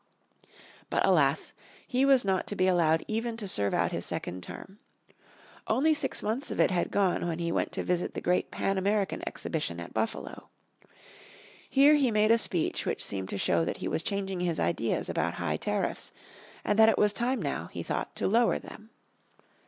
But alas! He was not to be allowed even to serve out his second term. Only six months of it had gone when he went to visit the great Pan American Exhibition at Buffalo. Here he made a speech which seemed to show that he was changing his ideas about high tariffs, and that it was time now, he thought, to lower them.